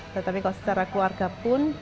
tetapi kalau secara keluarga pun